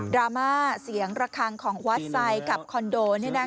รามาเสียงระคังของวัดไซด์กับคอนโด